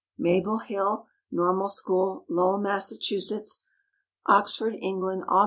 MABEL HILL, Normal School, Lowell, Mass. Oxford, England, Aug.